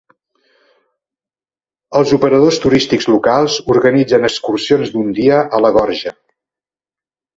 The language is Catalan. Els operadors turístics locals organitzen excursions d'un dia a la Gorja.